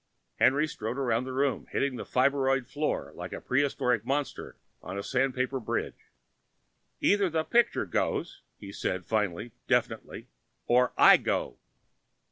Henry strode around the room, hitting the fibroid floor like a prehistoric monster on a sandpaper bridge. "Either that picture goes," he said finally, definitely, "or I go!"